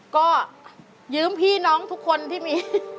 ก็ยืมพี่น้องทุกคนที่มี